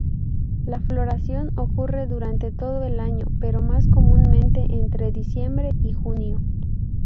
La floración ocurre durante todo el año, pero más comúnmente entre diciembre y junio.